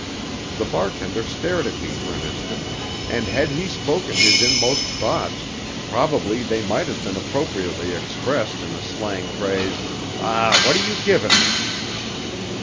The bartender stared at me for an instant, and, had he spoken his inmost thoughts, probably they might have been appropriately expressed in the slang phrase, "Ah, what are you givin' me?"